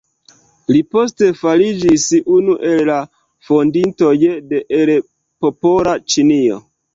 Li poste fariĝis unu el la fondintoj de "El Popola Ĉinio".